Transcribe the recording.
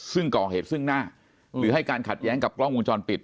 ซึ่งก่อเหตุซึ่งหน้าหรือให้การขัดแย้งกับกล้องวงจรปิด